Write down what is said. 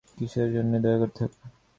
কিসের জন্যে দয়া করতে হবে?